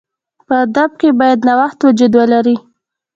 په ادب کښي باید نوښت وجود ولري.